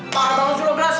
pakat tangan dulu glass